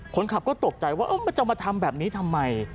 คนขับก็ตกใจว่ามันจะมาทำแบบนี้ทำไม